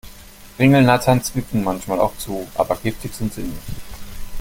Ringelnattern zwicken manchmal auch zu, aber giftig sind sie nicht.